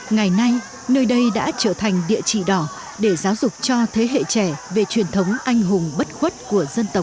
ngày nay nơi đây đã trở thành địa chỉ đỏ để giáo dục cho thế hệ trẻ về truyền thống anh hùng bất khuất của dân tộc